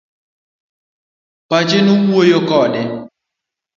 Pache nowuoyo kode.